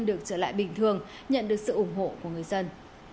được trở lại bình thường nhận được sự ủng hộ của người dân